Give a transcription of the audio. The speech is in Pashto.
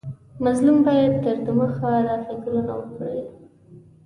مظلوم باید تر دمخه دا فکر وکړي.